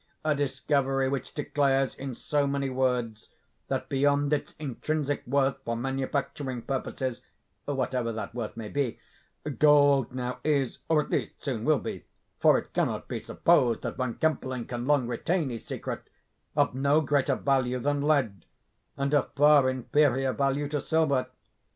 a discovery which declares, in so many words, that beyond its intrinsic worth for manufacturing purposes (whatever that worth may be), gold now is, or at least soon will be (for it cannot be supposed that Von Kempelen can long retain his secret), of no greater value than lead, and of far inferior value to silver.